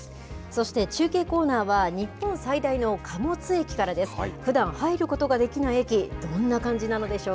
そして中継コーナーは、日本最大の貨物駅からです。